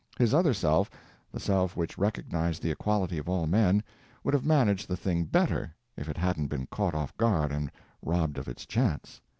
His other self—the self which recognized the equality of all men—would have managed the thing better, if it hadn't been caught off guard and robbed of its chance.